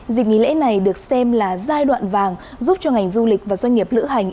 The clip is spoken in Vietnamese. dịp nghỉ lễ này được xem là giai đoạn vàng giúp cho ngành du lịch và doanh nghiệp lữ hành